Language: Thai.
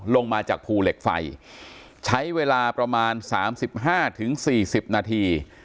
ลงมาจากภูเหล็กไฟใช้เวลาประมาณ๓๕๔๐นาที